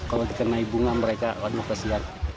kalau dikenai bunga mereka waduh kesian